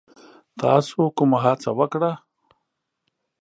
تاسو کومه هڅه وکړه؟